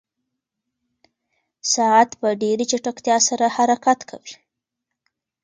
ساعت په ډېرې چټکتیا سره حرکت کوي.